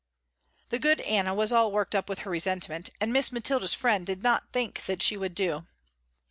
The good Anna was all worked up with her resentment, and Miss Mathilda's friend did not think that she would do.